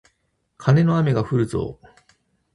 カネの雨がふるぞー